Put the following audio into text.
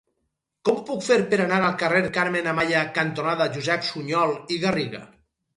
Com ho puc fer per anar al carrer Carmen Amaya cantonada Josep Sunyol i Garriga?